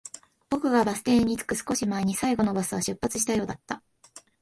僕がバス停に着く少し前に、最後のバスは出発したようだった